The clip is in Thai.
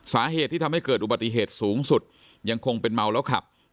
สาเหตุที่ทำให้เกิดอุบัติเหตุสูงสุดยังคงเป็นเมาแล้วขับ